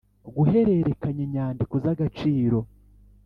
guhererekanya inyandiko z agaciro